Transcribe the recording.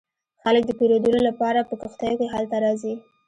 خلک د پیرودلو لپاره په کښتیو کې هلته راځي